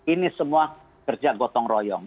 ini semua kerja gotong royong